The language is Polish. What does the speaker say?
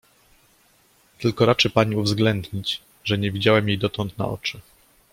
— Tylko raczy pani uwzględnić, że nie widziałem jej dotąd na oczy.